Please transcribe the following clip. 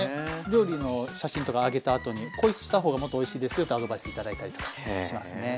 料理の写真とか上げたあとに「こうした方がもっとおいしいですよ」とアドバイス頂いたりとかねしますね。